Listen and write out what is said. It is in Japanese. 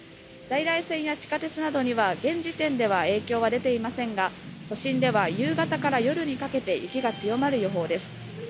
在来線や地下鉄などには現時点では影響は出ていませんが都心では夕方から夜にかけて雪が強まる予報です。